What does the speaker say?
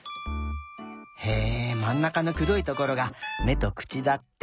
へえまんなかのくろいところがめとくちだって。